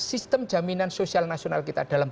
sistem jaminan sosial nasional kita dalam